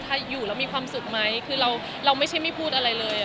ถ้าอยู่แล้วมีความสุขไหมคือเราไม่ใช่ไม่พูดอะไรเลย